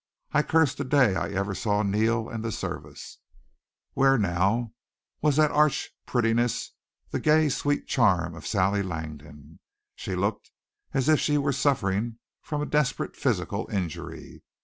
I cursed the day I ever saw Neal and the service. Where, now, was the arch prettiness, the gay, sweet charm of Sally Langdon? She looked as if she were suffering from a desperate physical injury.